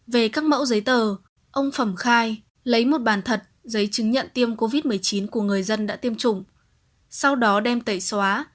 về các mẫu giấy tờ ông phẩm khai lấy một bàn thật giấy chứng nhận tiêm covid một mươi chín của người dân đã tiêm chủng sau đó đem tẩy xóa